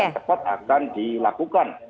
yang cepat akan dilakukan